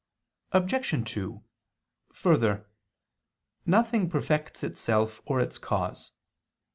Obj. 2: Further, nothing perfects itself or its cause.